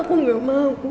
aku gak mau